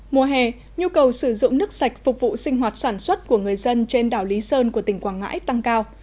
mùa hè nhu cầu sử dụng nước sạch phục vụ sinh hoạt sản xuất của người dân trên đảo lý sơn của tỉnh quảng ngãi tăng cao